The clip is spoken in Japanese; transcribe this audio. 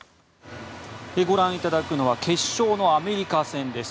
ご覧いただくのは決勝のアメリカ戦です。